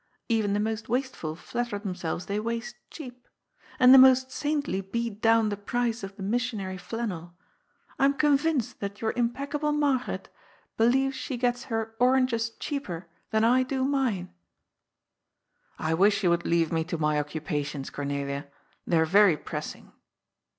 Even the most wasteful flatter themselves they ' waste cheap.' And the most saintly beat down the price of the missionary flannel. I am con vinced that your impeccable Margaret believes she gets her oranges cheaper than I do mine." 294 GOD'S FOOL. I wifih yon wonld leave me to my occupations, Cornelia. They are very pressing."